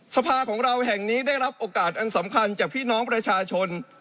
สภาของเราแห่งนี้ได้รับโอกาสอันสำคัญจากพี่น้องประชาชน